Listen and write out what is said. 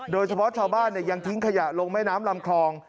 โดยเฉพาะชาวบ้านยังทิ้งขยะลงแม่น้ำลำคลอง